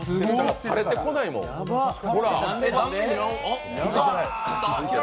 垂れてこないもん、ほら！